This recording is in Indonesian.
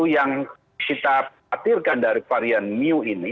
yang kita khawatirkan dari varian mu ini